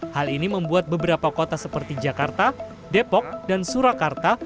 hal ini membuat beberapa kota seperti jakarta depok dan surakarta